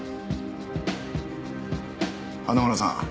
花村さん。